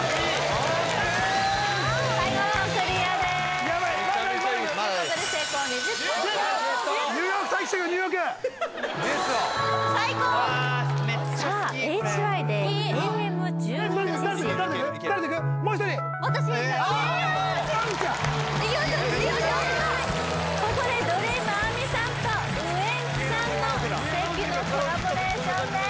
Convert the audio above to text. おっとここでＤｒｅａｍＡｍｉさんとウエンツさんの奇跡のコラボレーションです